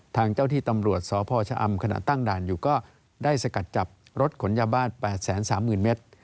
ทางเจ้าที่ตำรวจสพชะอำขณะตั้งด่านอยู่ก็ได้สกัดจับรถขนยาบ้าน๘๓๐๐๐เมตร